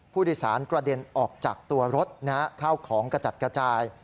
ผู้โดยสารกระเด็นออกจากตัวรถเข้าของกระจัดกระจาย